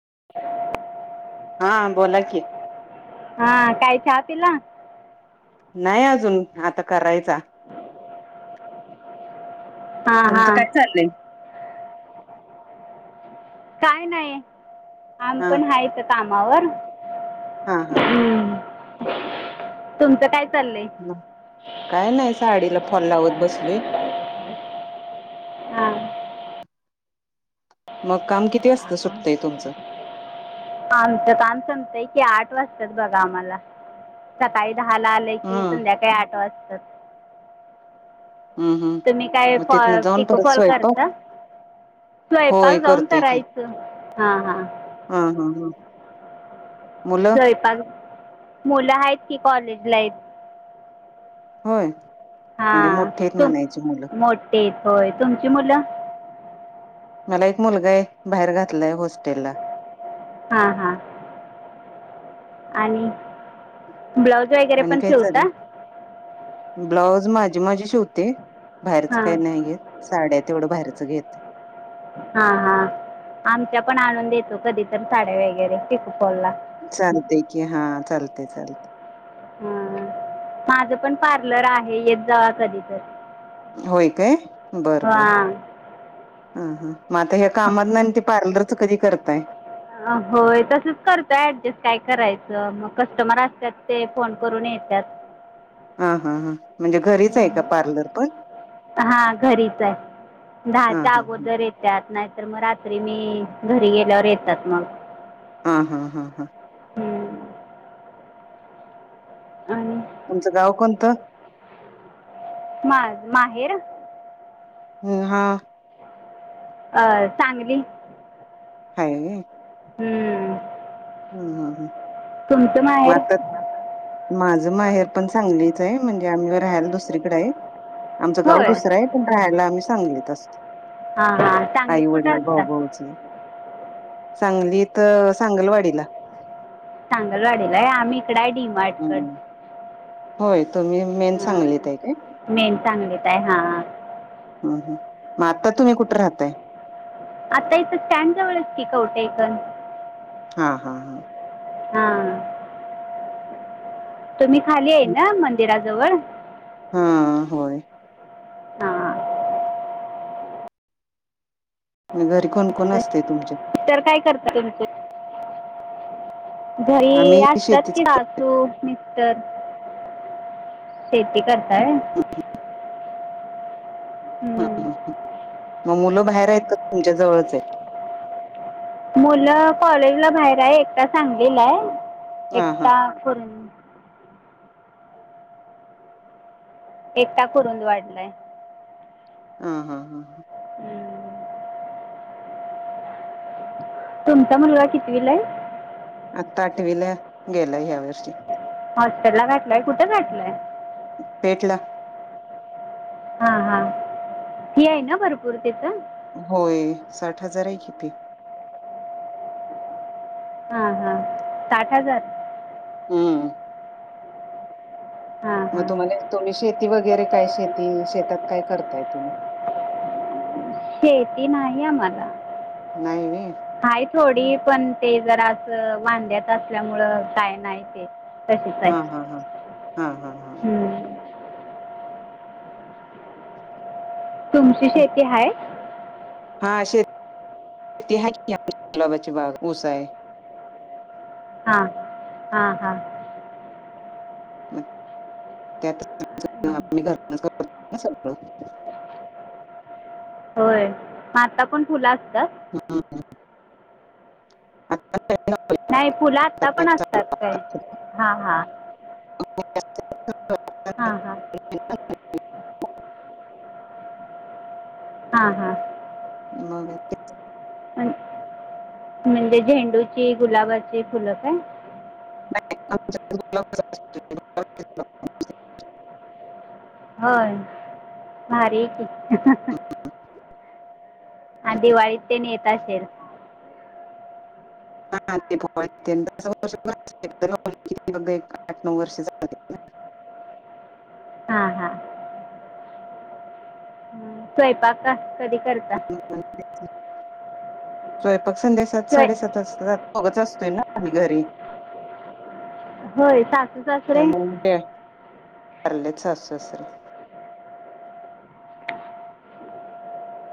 [inaudible] हा बोला कि हा काय चाहा पिला. नाय अजून आता करायचा. हां तुमचं हां काय चाल्लंय. काय नाई आमी हा पण हाय इत कामावर. हा हा. हम्म. तुमचं काय चाललंय काय नइ साडीला फॉल लावत बसलोय. हा हा मग काम किती वासता सुटतंय तुमचं. आमचं काम संमतयकी आठ वाजत्यात बगा आमाला सकाळी धाला आल की हम्म संध्याकाळी आठ वाजत्यात. हम्म हम्म तुमी काय मग फॉ तिथनं जाऊन पिको परत फॉल करता. स्वयंपाक होय स्वयपाक जाऊन करतोय की करायचं हा हा. हा हा हा. मुलं स्वयपाक मुलं हाइत कि कॉलेजलाइत होय. हा म्हणजे मोठी आहेत तुम म्हणायची मुलं मोटीएत होय तुमची मुलं मला एक मुलगाए भाइर घातलाय होस्टेल ला हा हा. आणि ब्लाऊज वगैरे आणि पण काय शिवता? चालय माजी माजी शिवते बाहेरच काय हां न्हाइ घेत साड्या तेवढं बाहेरच घेतोय. हा हा आमच्या पण आणून देतो कदी तर साड्या वेगैरे पिकू फाॅला चालतय की हा चालतय चालतय. माज पण पार्लर आहे येत जावा कदी तर. होय काय. हां. ह हा म आता ह्या कामातन आनी ते पार्लरच कदी करताय. होय तसच करतोय ऍडजस्ट काय करायचं म कस्टमर असत्यात ते फोन करून ये येत्यात. हा हा हां म्हणजे घरीचए का पार्लर पण हा घरीचय हा धाहाच्या हा अगोदर येत्यात नाइ तर मग रात्री मी घरी गेल्यावर येतात मग हा हा हा हा. हम्म. आहनि तुमचं गाव कोणतं. माज माहेर हम्म हा. अं सांगली. हाय वय. हम्म. ह ह ह. तुमच माहेर? माज माहेर पण सांगलीचाय म्हणजे आमी राह्याला दुसरीकडाय. आमचं गाव होय दुसराए पण राहायला आमी सांगलीत असतोय. हां हां सांगलीत आई कुठं वडील भाउ असता भाउज सांगलीत सांगलवाडीला. सांगलवाडीला आहे आम्ही इकड आहे डी मार्ट कड. हम्म. होय तुम्ही मेन सांगलीत हाय काय. मेन चांगलीत आहे हा. हा मग आता तुम्ही कुठे राहताय. आता इथं स्टँड जवळच की कवठेकण. हा हा हा. हम. तुम्ही खाली आहे ना मंदिराजवळ. हा होय. हां घरी कोण कोण असते तुमच्या. तर काय करत तुमचं घरी आम्ही असतात शेतीच कि करतोय. सासू मिस्टर, शेती करत. काय? ह ह ह मग मुलं बाहेर आहेत का तुमच्या जवळच आहे. मुलं कॉलेजला बाहेर आहे एकटा सांगलेला आहे हा हा एकटा करून. एकटा कूरुंदवाड ला हाय. हा हा हा ह. हं. तुमचा मुलगा कितवी ला हाय. आता आठवीला गेला ह्या वर्षी. हॉस्टेल ला घाटलाय कुठे घाटलंय. पेट ला. हा हा ह फी आहे ना भरपूर तिथं. होय साठ हजार आहे कितीे फी. हा हा साठ हजार. हम्म. हां मग हां तुम्हाला तुम्ही शेती वगैरे काय शेती शेतात काय करताय तुम्ही. शेती नाही आम्हाला. नाही व्ही. आहे थोडी पण ते जर वांद्यात असल्यामुळ काय नाही ते. तशीच हा आहे हा हा हा हा हा ह. हम्म. तुमची शेती हाय. हा शेत ति हाय की गुलाबाची बाग ऊसा हाय. हां. हां हां हम. [unintelligible] आता पण फुलं असतात. हा हा. आता. नाही फुलं आता पण असतात काय हा हा. अ. हा हा. हा हा. मग म्हणजे झेंडूची गुलाबाची फुलं काय. नाही आमच्या कडे गुलाबच असतोय फक्त. होय भारीय की. आणि दिवाळीत ते न येत असेल. हा ते [unintelligible] आठ नऊ वर्ष झा. [inaudible] हां हां स्वयंपाक का कधी करता? स्वयंपाक संध्यासात स्वय साडेसात वाजतात दोघच असतोय ना आम्ही घरी. होय स त्यामुळे [unintelligible] वारलेत सासू सासरे.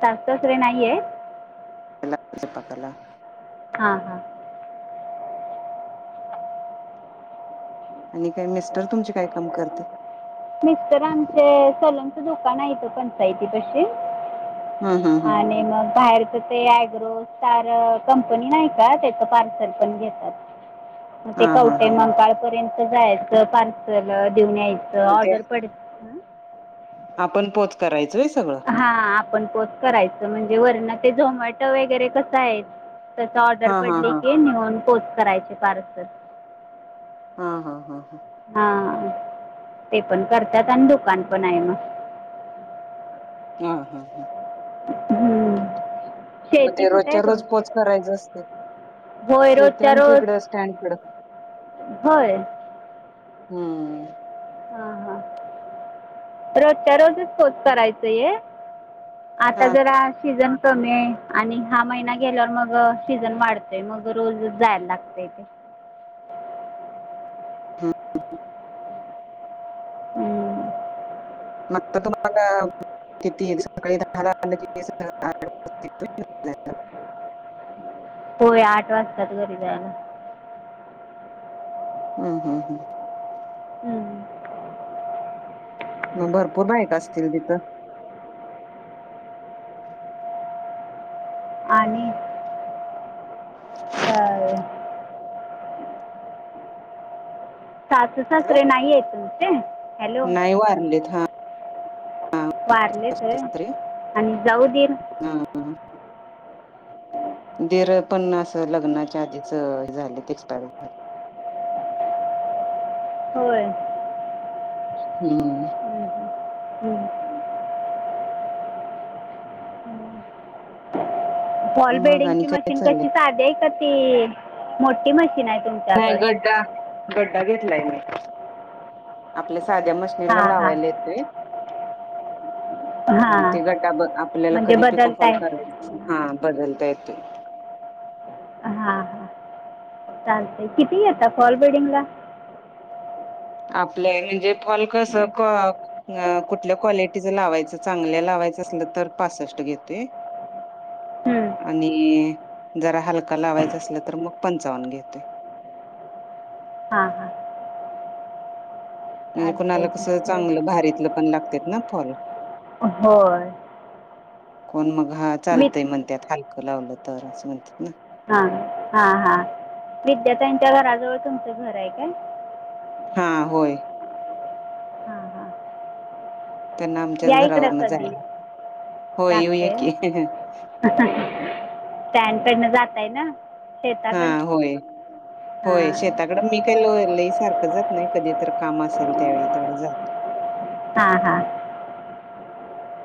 सासू सासरे नाहीयेत. [unintelligible] त्याला स्वयंपाकाला. हा हा आणि काही मिस्टर तुमचे काय काम करतात. मिस्टर आमचे सलूनचं दुकान आहे त पंचायतीपशी हा हा आणि मग बाहेरच. ते अग्रो स्टार कंपनी नाही का त्याच पार्सल पण घेतात. मग ते हा हा हा कवटे हा महाकाळ पर्यंत जायचं पार्सल देऊन यायचं मग ऑ ते उ पड आपण पोच करायचं हा आपण पोच करायच म्हणजे वरण ते झोमॅटो वगैरे कसं आहे. तसं ऑर्डर हा हा पडली हा की नेऊन पोच करायचे पार्सल. हा हा, हा, हा हा ते पण करतात आणि दुकान पण आहे मग. हा, हा, हा हम्म. मग शेती ते कुठे आहे रोजच्या रोज तुमची? पोच करायचं असते होय शेती रोजच्या आमच्या रोज इकडं स्टँड कडं होय. हम् हा हा रोजच्या रोजच पोच करायचं ये. आता हा जरा सीझन. कमी आहे आणि हा महिना गेल्यावर मग सीझन वाढतोय मग रोज जायला लागतय ते. [inaudible] हम्म, हम्म हम्म मग तुम्हाला किती सकाळी दहाला [unintelligible] [inaudible] हो आठ वाजताात घरी जायला. हम्म हम्म हम्म हम्म. मग भरपूर बाईक असतील तिथं आणि सासू हॅलो सासरे नाही त तुमचे? हॅलो नाही वारलेत हा. वारले तर सासरे आणि जाऊ दीर हा. दीर पण अस लग्नाच्या आधीच हे झाले एक्सपायर झालेत. होय हम् फॉल मग आणि बेडिंगची काय मशीन कशी चाललंय साधी आहे का ती मोठी मशीन आहे. नाही तुमच्याकडं गड्डा- गड्डा घेतलाय मी आपल्या साध्या मशनीला हां हां लावायला येतय मग हां ते गड्डा ब आपल्याला म्हणजे कधी पिकफॉल बदलताय करायच हा. बदलता येतोय. चालते किती घेता फाॅल बेडिंग ला आपल्या म्हणजे फॉल कस कुठल्या क्वालिटीच लावायचं चांगल्या लावा यच असल तर पासष्ट घेतोय. हां आणि जरा हलका लावायच असल. तर मग पंचावन्न घेतोय. [inaudible] हा, हा म्हणजे कुणाला कसं बरं. चांगलं, भारीतलं पण लागतात ना फॉल होय कोण मग हा, विद चालतय म्हणत्यात हलकं लावलं तर असं म्हणतात नाई हा हा हा विद्या त्यांच्या घराजवळ तुमचं घर आहे काय? हा, होय. हां हां त्यांना आमच्याच या ईकड घरावरन कधी, जायला होय येऊया चालतंय, की आता. स्टँन्ड कडन जाताय ना. शेताकड ह. [inaudible] होय, शेताकडं मी काही लो लयी सारखं जात नाही. कधी तर काम असेल त्यावेळी तेवढं जातो. [inaudible] हा, हां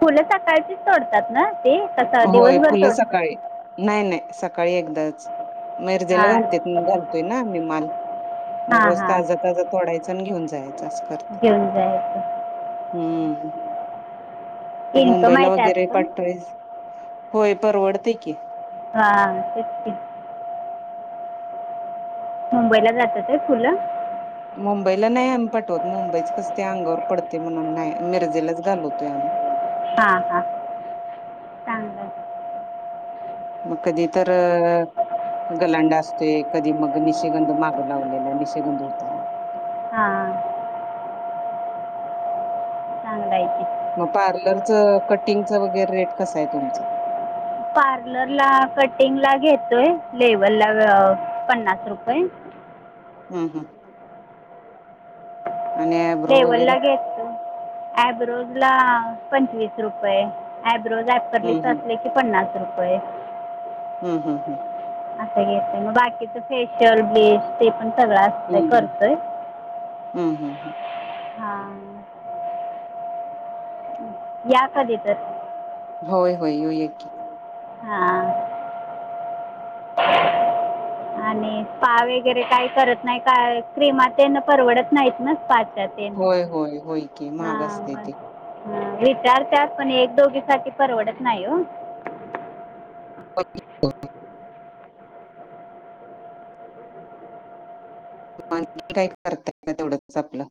फुले सकाळचीच तोडतात ना? ते कसं होय, दिवसभर फुलं सकाळी तोडतात नाही नाही. सकाळी एकदाच मिरजेला हां घालतेत घालतोय ना आम्ही माल. मग हां रोज हां ताजा, ताजा तोडायचा न घेऊन जायचं अस. घेऊन जायच. हम्म, ते इन्कम मुंबईला आहे त्यात वगैरे पण पाठवायच. होय, परवडतय की. हा, तेच की. मुंबईला जातात होय फुलं. मुंबईला नाही आम्ही पाठवत. मुंबईच कस ते अंगावर पडतय म्हणून नाही. मिरजेलाच घालवतोय आम्ही. हा हा मग कधी तर अं गलांडा असतोय, कधी मग निशिगंध मागं लावलेला निशिगंध होता. [inaudible] हां चांगलं आहे ते मग पार्लरच, कटिंगच वगैरे रेट कस आय तुमचं? पार्लर ला कटिंग ला घेतोय लेवल ला पन्नास रुपयं. हम्म हम्म आणि आयब्रो लेव्हलला वगैरे? घेतय. ॲब्रोज ला पंचवीस रुपये आयब्रोज हम्म अपरलीप्स हम्म. असले की पन्नास रुपये. होय. हम्म, हम्म, हम्म आसं घेते. मग बाकीच फेशियल, ब्लिच ते पण सगळं असतंय करतोय हम्म, हम्, हम या कधीेतर. होय, होय, येऊया की. हां आणि स्पा वगैरे काही करत नाही कारण क्रीमा तेन वगैरे परवडत नाहीत ना स्पा चे होय, होय, होय की महाग असतय ते. अं विचारतात, पण एक दोघी साठी परवडत नाही ओ. [inaudible] आणखीन काय करताय? का तेवढंतच आपलं.